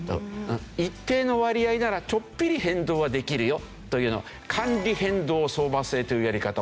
一定の割合ならちょっぴり変動はできるよという管理変動相場制というやり方をしてます。